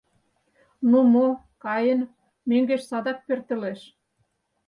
— Ну мо, каен, мӧҥгеш садак пӧртылеш.